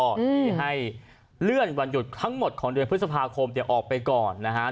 ที่ให้เลื่อนวันหยุดทั้งหมดของเดือนพฤษภาคมออกไปก่อนนะฮะ